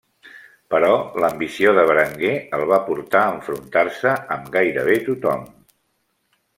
Però l'ambició de Berenguer el va portar a enfrontar-se amb gairebé tothom.